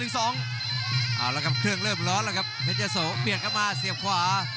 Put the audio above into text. เอาละครับเครื่องเริ่มร้อนแล้วครับเพชรยะโสเปลี่ยนเข้ามาเสียบขวา